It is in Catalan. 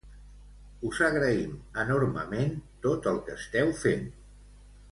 Us agraïm enormement tot el que esteu fent!